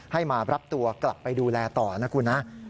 ให้มารับตัวกลับไปดูแลต่อนะคุณนะ